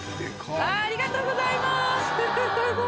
ありがとうございます！